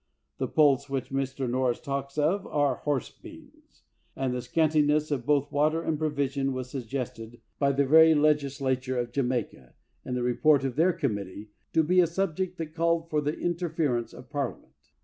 The pulse which Mr. Norris talks of are horse beans ; and the scantiness of both water and pro vision was suggested by the very legislature of Jamaica, in the report of taeir committee, to be a subject that called for the interference of Parliament.